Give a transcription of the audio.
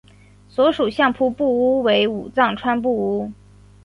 所属相扑部屋为武藏川部屋。